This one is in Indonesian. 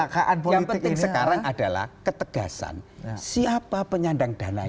tapi yang penting sekarang adalah ketegasan siapa penyandang dananya